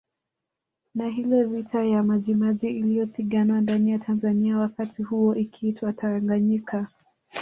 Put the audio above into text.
Ni hile vita ya Majimaji iliyopiganwa ndani ya Tanzania wakati huo ikiitwa Tanganyika